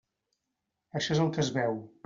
Això és el que es veu.